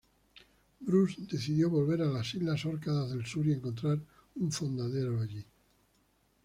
Bruce decidió volver a las islas Orcadas del Sur y encontrar un fondeadero allí.